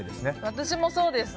私もそうです。